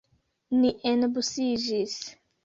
Ni enbusiĝis.